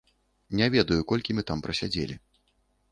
Не ведаю, колькі мы там прасядзелі.